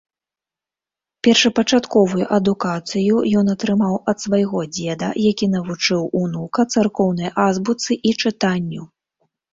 Першапачатковую адукацыю ён атрымаў ад свайго дзеда, які навучаў унука царкоўнай азбуцы і чытанню.